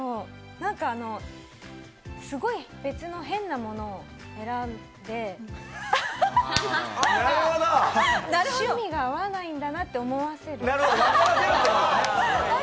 別のすごい変なものを選んで、趣味が合わないんだなって思わせる。